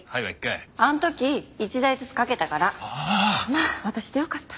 まあ私でよかった。